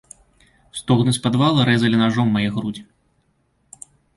Стогны з падвала рэзалі нажом мае грудзі.